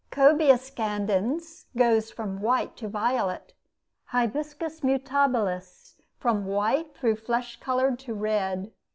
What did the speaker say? Cobea scandens goes from white to violet; Hibiscus mutabilis from white through flesh colored to red.